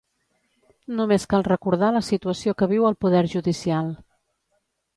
Només cal recordar la situació que viu el poder judicial